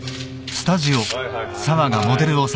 はいはい。